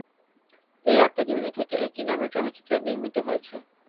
এই আত্মজীবনী থেকে "একই নামের চলচ্চিত্র" নির্মিত হয়েছে।